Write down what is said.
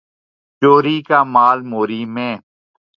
چوری کا مال موری میں